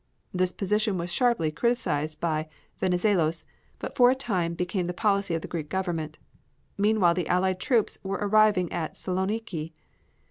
This position was sharply criticised by Venizelos, but for a time became the policy of the Greek Government. Meantime the Allied troops were arriving at Saloniki.